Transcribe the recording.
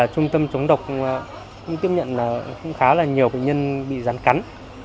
trung tâm chống độc cũng tiếp nhận khá là nhiều nhân bị gián cắn